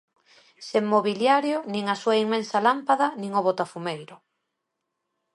Sen mobiliario nin a súa inmensa lámpada nin o botafumeiro.